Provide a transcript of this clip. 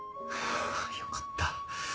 よかった。